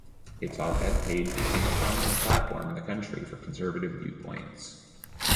Its op-ed page became a prominent platform in the country for conservative viewpoints.